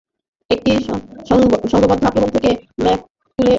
একটি সংঘবদ্ধ আক্রমণ থেকে ম্যাক্সের তুলির শেষ আঁচড়টা ছিল দেখার মতোই।